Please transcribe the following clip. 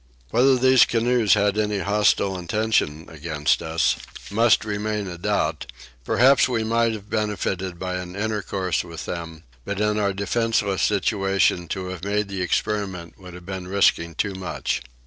Whether these canoes had any hostile intention against us must remain a doubt: perhaps we might have benefited by an intercourse with them, but in our defenceless situation to have made the experiment would have been risking too much.